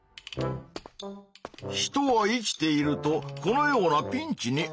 人は生きているとこのようなピンチにあう。